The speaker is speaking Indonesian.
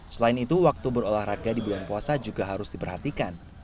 selain itu waktu berolahraga di bulan puasa juga harus diperhatikan